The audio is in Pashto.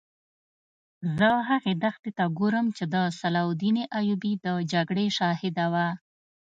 زه هغې دښتې ته ګورم چې د صلاح الدین ایوبي د جګړې شاهده وه.